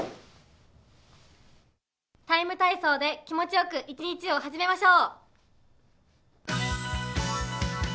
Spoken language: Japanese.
「ＴＩＭＥ，体操」で気持ちよく一日を始めましょう！